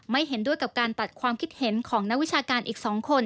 เห็นด้วยกับการตัดความคิดเห็นของนักวิชาการอีก๒คน